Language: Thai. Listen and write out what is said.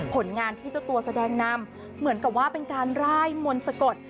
ผลงานที่เจ้าตัวแสดงนำเหมือนกับว่าเป็นการร่ายมนต์สะกด